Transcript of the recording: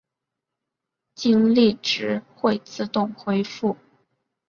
精力值会自动恢复。